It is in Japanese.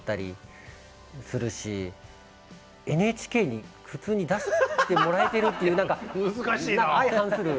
ＮＨＫに普通に出してもらえてるっていう何か相反する。